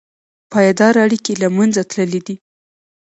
پایداره اړیکې له منځه تللي دي.